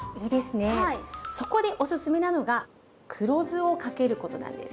そこでおすすめなのが黒酢をかけることなんです。